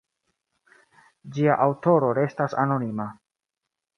Ĝia aŭtoro restas anonima.